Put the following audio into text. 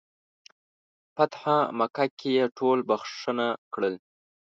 فتح مکه کې یې ټول بخښنه کړل.